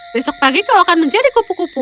besok pagi kau akan menjadi kupu kupu